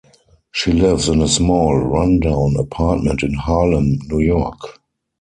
She lives in a small, run-down apartment in Harlem, New York.